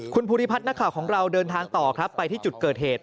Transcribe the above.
คุณภูริพัฒน์นักข่าวของเราเดินทางต่อครับไปที่จุดเกิดเหตุ